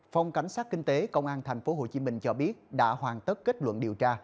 phòng cảnh sát kinh tế công an tp hcm cho biết đã hoàn tất kết luận điều tra